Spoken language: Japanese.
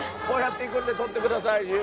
こうやって行くんで撮ってください